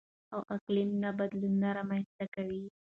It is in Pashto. او اقلـيمي نه بـدلونـونه رامـنځتـه کوي.